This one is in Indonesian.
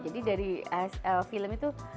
jadi dari film itu